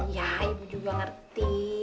ya ibu juga ngerti